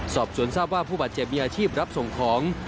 สอบสวนทราบว่าผู้บาดเจ็บมีอาชีพรับส่งของ